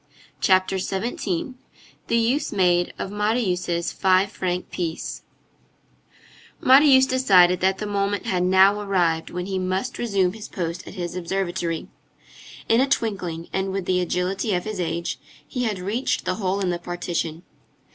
CHAPTER XVII—THE USE MADE OF MARIUS' FIVE FRANC PIECE Marius decided that the moment had now arrived when he must resume his post at his observatory. In a twinkling, and with the agility of his age, he had reached the hole in the partition.